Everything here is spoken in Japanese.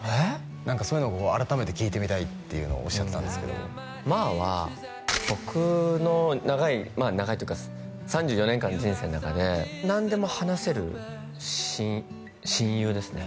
何かそういうのを改めて聞いてみたいっておっしゃってたんですけどＭＡＲは僕の長い長いっていうか３４年間の人生の中で何でも話せる親友ですね